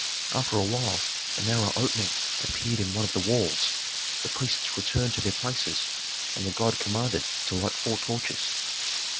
After a while a narrow opening appeared in one of the walls, the priests returned to their places, and the guide commanded to light four torches.